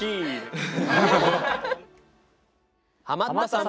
ハマったさん